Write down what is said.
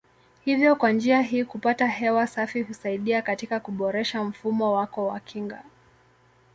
Hivyo kwa njia hii kupata hewa safi husaidia katika kuboresha mfumo wako wa kinga.